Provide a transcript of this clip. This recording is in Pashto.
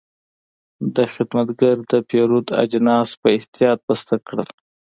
دا خدمتګر د پیرود اجناس په احتیاط بسته کړل.